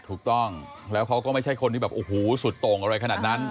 ถูกต้องแล้วเขาก็ไม่ใช่คนที่แบบโอ้โหสุดโต่งอะไรขนาดนั้น